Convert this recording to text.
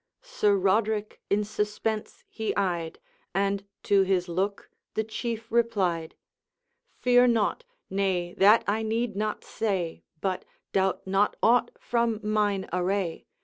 Sir Roderick in suspense he eyed, And to his look the Chief replied: 'Fear naught nay, that I need not say But doubt not aught from mine array.